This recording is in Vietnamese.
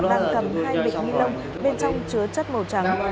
đang cầm hai bịch ni lông bên trong chứa chất màu trắng